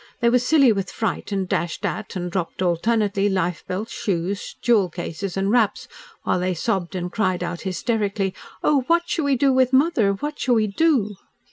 They were silly with fright, and dashed at, and dropped alternately, life belts, shoes, jewel cases, and wraps, while they sobbed and cried out hysterically. "Oh, what shall we do with mother! What shall we do!"